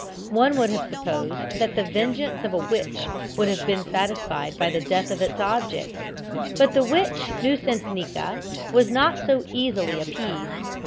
One would have supposed that the vengeance of a witch would have been satisfied by the death of its object; but the witch Nuisancenika was not so easily appeased.